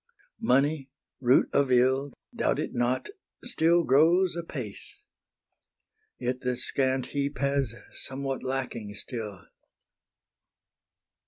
Money, root of ill, Doubt it not, still grows apace: Yet the scant heap has somewhat lacking still.